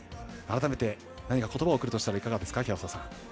改めて、何かことばをおくるとしたらいかがですか？